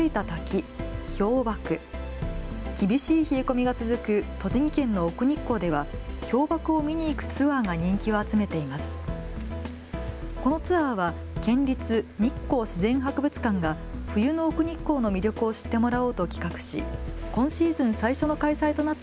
このツアーは県立日光自然博物館が冬の奥日光の魅力を知ってもらおうと企画し今シーズン最初の開催となった